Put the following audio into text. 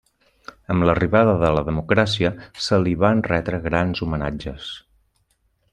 Amb l'arribada de la democràcia, se li van retre grans homenatges.